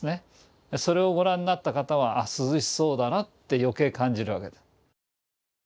それをご覧になった方は「涼しそうだな」ってよけい感じるわけです。